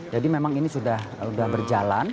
jadi memang ini sudah berjalan